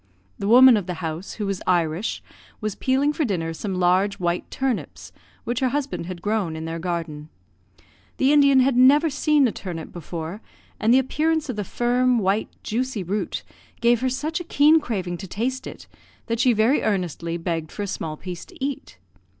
The woman of the house, who was Irish, was peeling for dinner some large white turnips, which her husband had grown in their garden. The Indian had never seen a turnip before, and the appearance of the firm, white, juicy root gave her such a keen craving to taste it that she very earnestly begged for a small piece to eat.